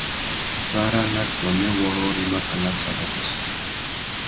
Para na tônê wôrrôri makana sarawussi.